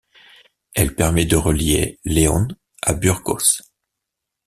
Elle permet de relier Léon à Burgos.